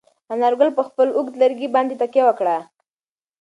انارګل په خپل اوږد لرګي باندې تکیه وکړه.